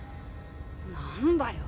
何だよ。